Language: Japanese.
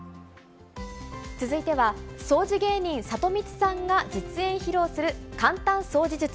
続いては、掃除芸人、サトミツさんが実演披露する簡単掃除術。